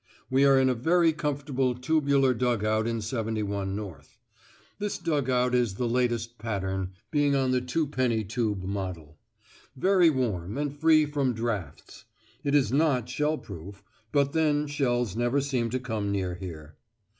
We are in a very comfortable tubular dug out in 71 North. This dug out is the latest pattern, being on the twopenny tube model; very warm, and free from draughts. It is not shell proof, but then shells never seem to come near here.